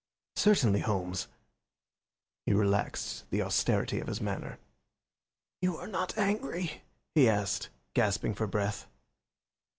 "Certainly, Holmes." He relaxed the austerity of his manner. "You are not angry?" he asked, gasping for breath.